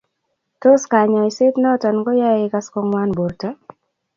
Tos, kanyoiset noto konyae igas kongwan borto?